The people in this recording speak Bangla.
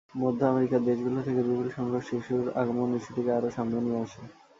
মধ্য আমেরিকার দেশগুলো থেকে বিপুলসংখ্যক শিশুর আগমন ইস্যুটিকে আরও সামনে নিয়ে আসে।